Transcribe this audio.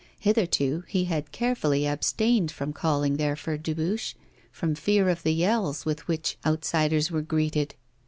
Hitherto he had carefully abstained from calling there for Dubuche, from fear of the yells with which outsiders were greeted.